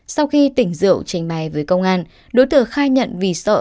sau khi tỉnh rượu tránh máy với công an đối tượng khai nhận vì sợ